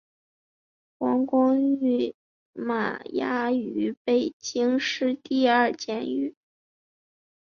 黄光裕现羁押于北京市第二监狱。